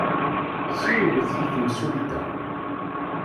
Siwlet i temsulta.